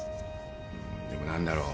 でも何だろう。